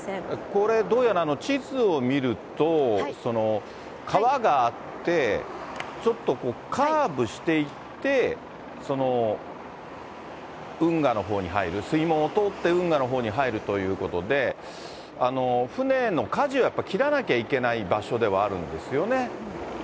これ、どうやら地図を見ると、川があって、ちょっとカーブしていって、運河のほうに入る、水門を通って、運河のほうに入るということで、船のかじをやっぱ切らなきゃいけない場所ではあるんですよね。